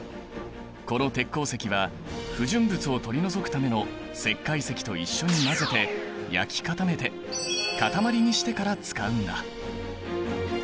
この鉄鉱石は不純物を取り除くための石灰石と一緒に混ぜて焼き固めて塊にしてから使うんだ。